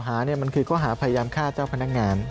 มันที่เกาะหาพยามถูกฆ่าเจ้าพนักงาน